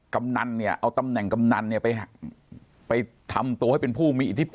กำนันเนี่ยเอาตำแหน่งกำนันเนี่ยไปทำตัวให้เป็นผู้มีอิทธิพล